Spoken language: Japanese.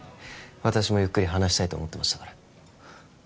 私もゆっくり話したいと思ってましたから